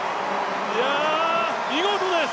見事です。